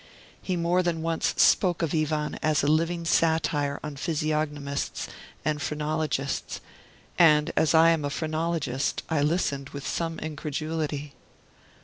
He more than once spoke of Ivan as a living satire on physiognomists and phrenologists; and as I am a phrenologist, I listened with some incredulity.